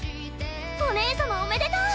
お姉様おめでとう！